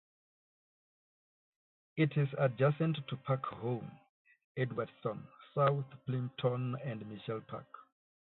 It is adjacent to Park Holme, Edwardstown, South Plympton and Mitchell Park.